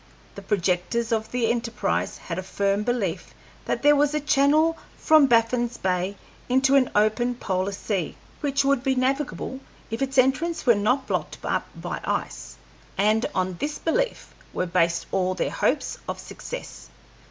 The projectors of the enterprise had a firm belief that there was a channel from Baffin's Bay into an open polar sea, which would be navigable if its entrance were not blocked up by ice, and on this belief were based all their hopes of success.